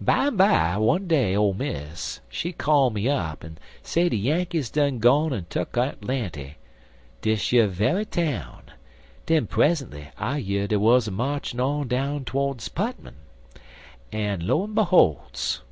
"Bimeby one day, Ole Miss, she call me up en say de Yankees done gone en tuck Atlanty dish yer ve'y town; den present'y I year dey wuz a marchin' on down todes Putmon, en, lo en behol's!